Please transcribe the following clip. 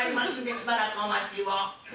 しばらくお待ちを。